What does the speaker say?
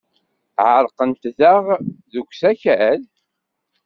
Ɛerqent daɣ deg usakal?